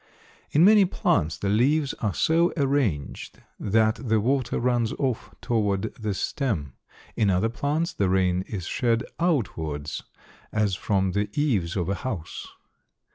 In many plants the leaves are so arranged that the water runs off toward the stem; in other plants the rain is shed outwards as from the eaves of a house.